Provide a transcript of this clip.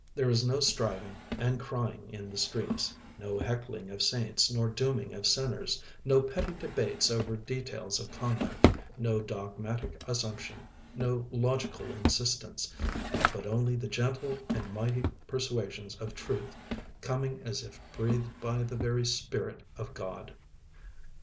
There is no striving and crying in the streets, no heckling of saints nor dooming of sinners, no petty debates over details of conduct, no dogmatic assumption, no logical insistence, but only the gentle and mighty persuasions of truth, coming as if breathed by the very spirit of God.